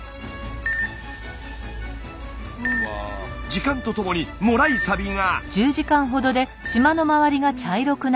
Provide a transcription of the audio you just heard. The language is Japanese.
時間とともにもらいサビが。